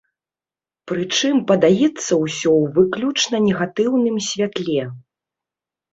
Прычым, падаецца ўсё ў выключна негатыўным святле.